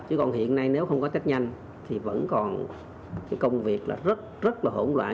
chứ còn hiện nay nếu không có test nhanh thì vẫn còn cái công việc là rất rất là hỗn loạn